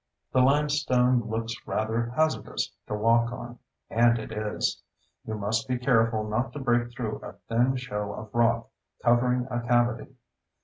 The limestone looks rather hazardous to walk on—and it is. You must be careful not to break through a thin shell of rock covering a cavity.